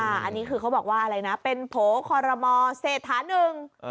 อันนี้คือเขาบอกว่าอะไรนะเป็นโผล่คอรมอเศรษฐานึง